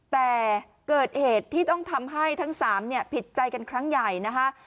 แต่เกิดเหตุที่ต้องทำให้ทั้ง๓เนี่ยผิดใจกันครั้งใหญ่นะคะ